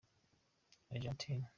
Argentine.